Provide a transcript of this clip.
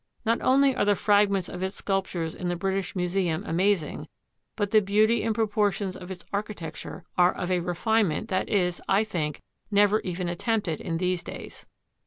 Not only are the fragments of its sculptures in the British Museum amazing, but the beauty and proportions of its architecture are of a refinement that is, I think, never even attempted in these days.